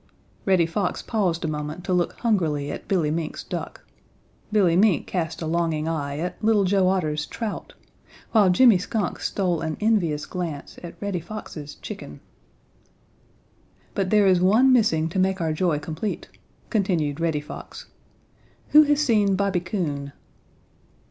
Reddy Fox paused a moment to look hungrily at Billy Mink's duck. Billy Mink cast a longing eye at Little Joe Otter's trout, while Jimmy Skunk stole an envious glance at Reddy Fox's chicken. "But there is one missing to make our joy complete," continued Reddy Fox. "Who has seen Bobby Coon?"